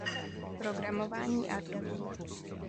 Programování Arduina